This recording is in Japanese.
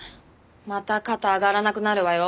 また肩上がらなくなるわよ。